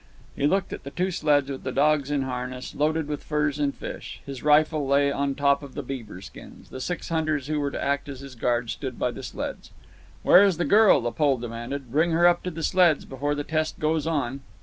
He looked at the two sleds, with the dogs in harness, loaded with furs and fish. His rifle lay on top of the beaver skins. The six hunters who were to act as his guard stood by the sleds. "Where is the girl?" the Pole demanded. "Bring her up to the sleds before the test goes on."